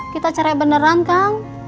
kita cerai beneran kang